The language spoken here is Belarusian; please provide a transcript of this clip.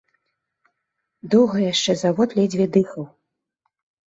Доўга яшчэ завод ледзьве дыхаў.